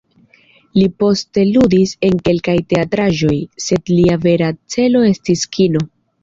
Li poste ludis en kelkaj teatraĵoj, sed lia vera celo estis kino.